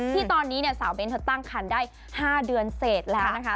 ที่ตอนนี้เนี่ยสาวเบ้นเธอตั้งคันได้๕เดือนเสร็จแล้วนะคะ